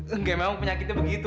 enggak memang penyakitnya begitu